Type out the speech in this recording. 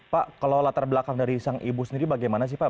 pak kalau latar belakang dari sang ibu sendiri bagaimana sih pak